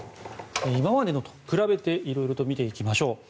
今までのと比べていろいろと見ていきましょう。